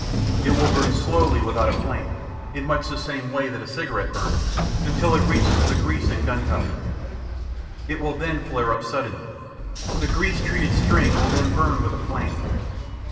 It will burn slowly without a flame (in much the same way that a cigarette burns) until it reaches the grease and gunpowder; it will then flare up suddenly. The grease treated string will then burn with a flame.